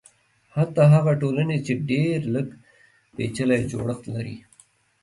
حتی هغه ټولنې چې ډېر لږ پېچلی جوړښت لري.